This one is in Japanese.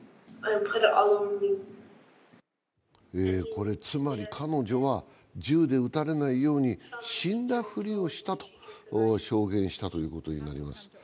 これつまり彼女は銃で撃たれないように死んだふりをしたと証言したということになります。